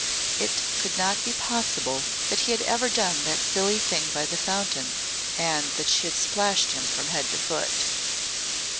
It could not be possible that he had ever done that silly thing by the fountain and that she had splashed him from head to foot.